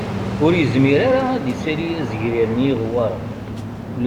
Ur yezmir ara ad d-isali azegrir n iɣewwaṛen